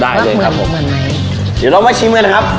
ได้เลยครับผมอันไหนเดี๋ยวเรามาชิมกันนะครับ